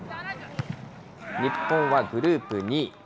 日本はグループ２位。